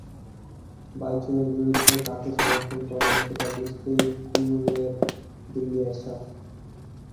বাইচুংয়ের বিরুদ্ধে কাকে সমর্থন করা যায় সেটা বুঝতেই গুরুংয়ের দিল্লি আসা।